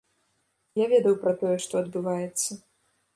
Я ведаў пра тое, што адбываецца.